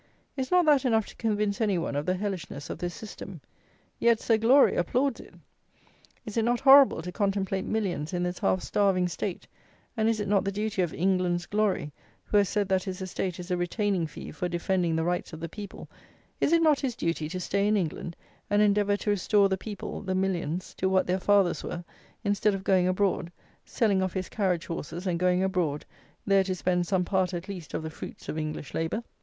Is not that enough to convince any one of the hellishness of this system? Yet Sir Glory applauds it. Is it not horrible to contemplate millions in this half starving state; and, is it not the duty of "England's Glory," who has said that his estate is "a retaining fee for defending the rights of the people;" is it not his duty to stay in England and endeavour to restore the people, the millions, to what their fathers were, instead of going abroad; selling off his carriage horses, and going abroad, there to spend some part, at least, of the fruits of English labour?